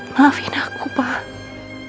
maafin aku pak